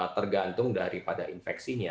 tergantung daripada infeksinya